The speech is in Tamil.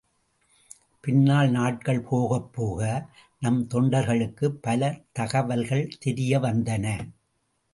பின்னால் நாட்கள் போகப்போக, நம் தொண்டர்களுக்குப் பல தகவல்கள் தெரியவந்தன.